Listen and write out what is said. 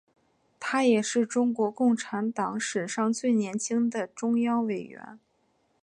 他也是中共党史上最年轻的中央委员。